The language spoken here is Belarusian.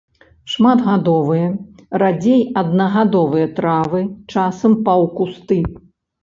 Шматгадовыя, радзей аднагадовыя травы, часам паўкусты.